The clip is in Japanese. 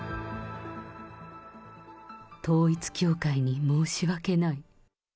統一教会に申し訳ない。